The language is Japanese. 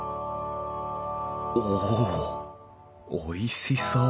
おおっおいしそう！